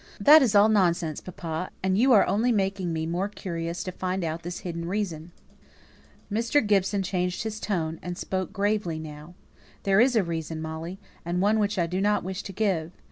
"That's all nonsense, papa, and you're only making me more curious to find out this hidden reason." Mr. Gibson changed his tone, and spoke gravely now. "There is a reason, Molly, and one which I do not wish to give.